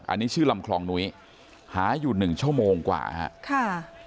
อันนี้ชื่อลำคลองนุ้ยหาอยู่หนึ่งชั่วโมงกว่าฮะค่ะ